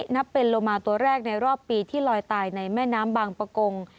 นับเป็นโลมาตัวแรกในรอบปีที่ลอยตายในแม่น้ำบางประกง